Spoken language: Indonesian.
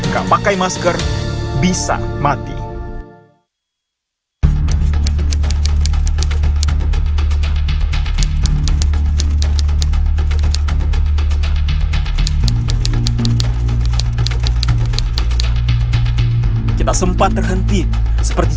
gak pakai masker bisa mati